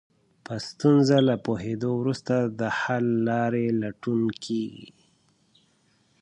په ستونزه له پوهېدو وروسته د حل لارې لټون کېږي.